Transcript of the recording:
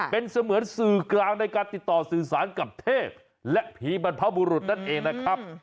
เป็นเสมือนสื่อกลางในการติดต่อสื่อสารกับเทพและผีบรรพบุรุษนั่นเองนะครับ